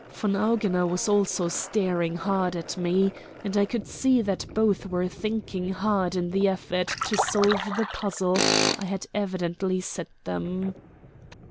Von Augener was also staring hard at me, and I could see that both were thinking hard in the effort to solve the puzzle I had evidently set them.